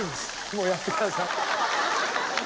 もうやってください。